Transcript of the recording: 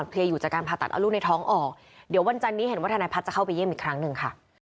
ให้สูงสุดเท่าที่ทางกฎหมายที่จะทำได้